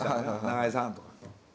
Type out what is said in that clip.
「中井さん」とか。